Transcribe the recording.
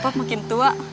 pak pap makin tua